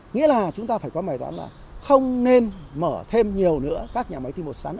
nghĩa là chúng ta phải có bài toán là không nên mở thêm nhiều nữa các nhà máy tim bột sắn